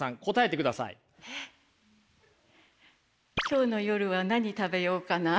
今日の夜は何食べようかな？